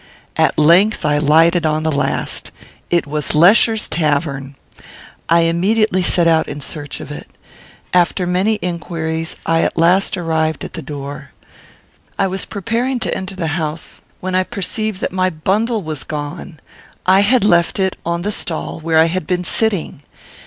At length I lighted on the last. It was Lesher's tavern. I immediately set out in search of it. After many inquiries, I at last arrived at the door. I was preparing to enter the house when I perceived that my bundle was gone. I had left it on the stall where I had been sitting.